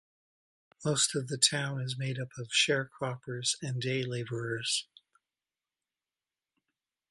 Most of the town is made up of sharecroppers and day laborers.